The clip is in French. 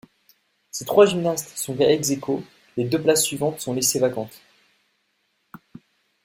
Si trois gymnastes sont ex æquo, les deux places suivantes sont laissées vacantes.